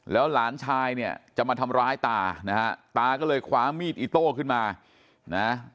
แล้วหลานชายเนี่ยจะมาทำร้ายตานะฮะตาก็เลยคว้ามีดอิโต้ขึ้นมานะ